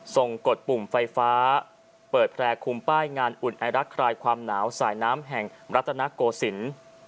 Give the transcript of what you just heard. กดปุ่มไฟฟ้าเปิดแพร่คุมป้ายงานอุ่นไอรักคลายความหนาวสายน้ำแห่งรัฐนโกศิลป์